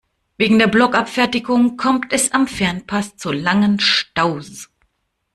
Wegen der Blockabfertigung kommt es am Fernpass zu langen Staus.